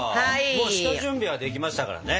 もう下準備はできましたからね。